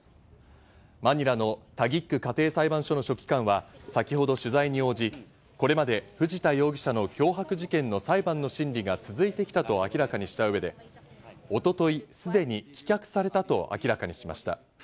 マニラのタギッグ家庭裁判所の書記官は先ほど取材に応じ、これまで藤田容疑者の凶悪事件の裁判の審理が続いてきたと明らかにした上で、一昨日、すでに棄却されたと明らかにしました。